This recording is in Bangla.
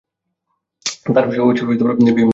তার বিয়ে নিয়ে বিতর্ক সৃষ্টি হয়েছিল।